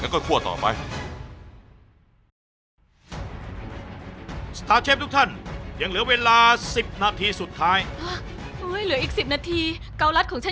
กาวรัสของฉันยังไม่สุกเลย